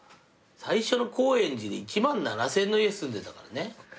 最初の高円寺で１７，０００円の家住んでたからね。